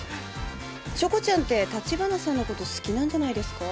チョコちゃんって立花さんのこと好きなんじゃないですか？